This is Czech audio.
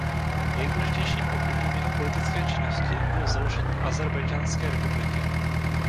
Nejdůležitějším obdobím jeho politické činnosti bylo založení Ázerbájdžánské republiky.